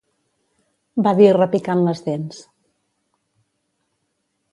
Va dir repicant les dents.